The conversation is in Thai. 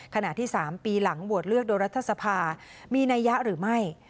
ขณะที่๓ปีหลังโหวตเลือกโดยรัฐสภามีนัยยะหรือไม่